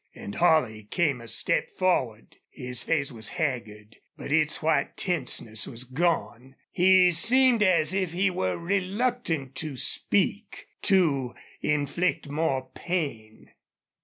And Holley came a step forward. His face was haggard, but its white tenseness was gone. He seemed as if he were reluctant to speak, to inflict more pain.